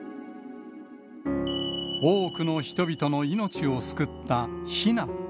多くの人々の命を救った避難。